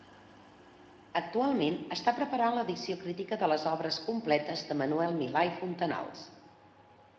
Actualment està preparant l'edició crítica de les Obres Completes de Manuel Milà i Fontanals.